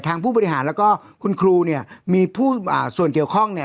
ผู้บริหารแล้วก็คุณครูเนี่ยมีผู้ส่วนเกี่ยวข้องเนี่ย